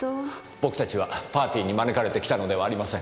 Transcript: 僕たちはパーティーに招かれて来たのではありません。